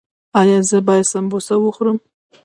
ایا زه باید سموسه وخورم؟